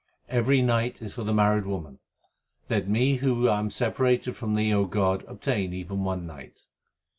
Every night is for the married woman ; let me who am separated from Thee, O God, obtain even one night.